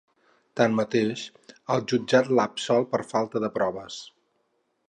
Tanmateix, el Jutjat l'ha absolt per falta de proves.